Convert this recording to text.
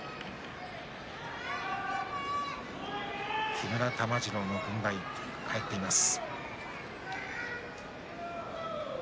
木村玉治郎の軍配が返っています。